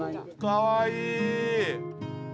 かわいい。